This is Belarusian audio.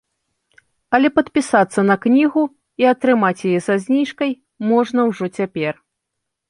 Але падпісацца на кнігу і атрымаць яе са зніжкай можна ўжо цяпер.